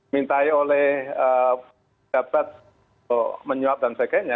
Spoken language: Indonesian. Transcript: mintai oleh jabat untuk menyuap dan sebagainya